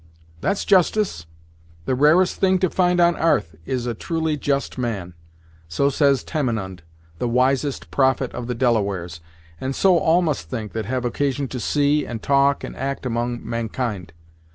"That's justice! The rarest thing to find on 'arth is a truly just man. So says Tamenund, the wisest prophet of the Delawares, and so all must think that have occasion to see, and talk, and act among Mankind.